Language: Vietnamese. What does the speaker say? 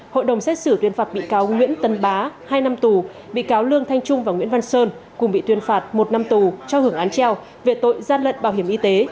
hội đồng xét xử tuyên phạt bị cáo nguyễn tấn bá hai năm tù bị cáo lương thanh trung và nguyễn văn sơn cùng bị tuyên phạt một năm tù cho hưởng án treo về tội gian lận bảo hiểm y tế